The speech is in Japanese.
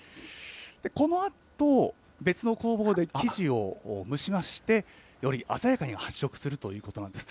このあと、別の工房で生地を蒸しまして、より鮮やかに発色するということなんです。